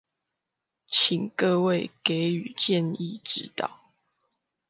請各位給予建議指導